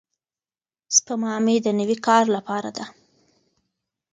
سپما مې د نوي کار لپاره ده.